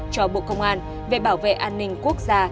cho bộ công an về bảo vệ an ninh quốc gia